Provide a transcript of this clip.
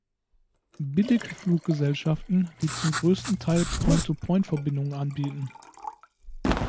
Billigfluggesellschaften, die zum größten Teil Point-to-Point-Verbindungen anbieten.